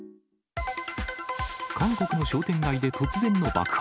韓国の商店街で突然の爆発。